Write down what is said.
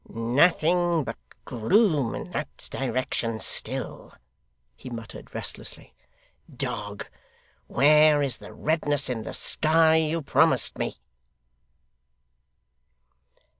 'Nothing but gloom in that direction, still!' he muttered restlessly. 'Dog! where is the redness in the sky, you promised me!